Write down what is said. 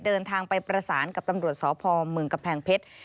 เดินทางไปประสานกับตำรวจสพเมืองกำแพงเพชร